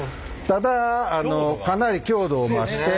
ただかなり強度を増して。